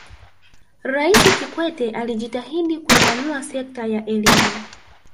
raisi kikwete alijitahidi kuipanua sekta ya elimu